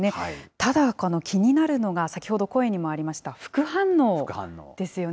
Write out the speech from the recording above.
ただ、気になるのが、先ほど声にもありました副反応ですよね。